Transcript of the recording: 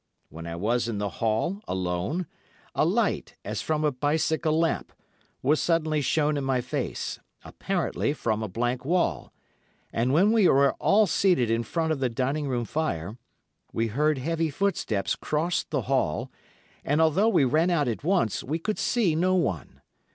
When I was in the hall alone, a light, as from a bicycle lamp, was suddenly shone in my face, apparently from a blank wall, and when we were all seated in front of the dining room fire, we heard heavy footsteps cross the hall, and although we ran out at once we could see no one.